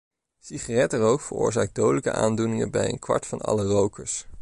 Sigarettenrook veroorzaakt dodelijke aandoeningen bij een kwart van alle rokers.